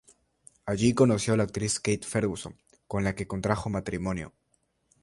Allí conoció a la actriz Kate Ferguson, con la que contrajo matrimonio.